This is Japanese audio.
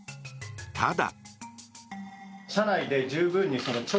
ただ。